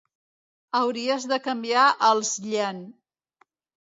Hauries de canviar els llen